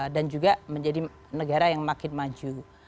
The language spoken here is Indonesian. dan juga menjadi negara yang makin maju